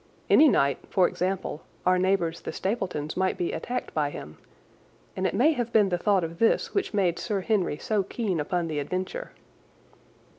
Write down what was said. Any night, for example, our neighbours the Stapletons might be attacked by him, and it may have been the thought of this which made Sir Henry so keen upon the adventure.